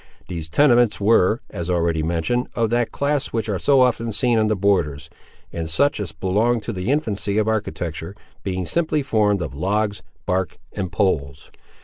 These tenements were, as already mentioned, of that class which are so often seen on the borders, and such as belonged to the infancy of architecture; being simply formed of logs, bark, and poles.